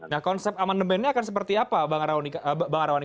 nah konsep amendementnya akan seperti apa bang rawani